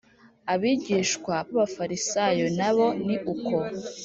abigishwa b Abafarisayo na bo ni uko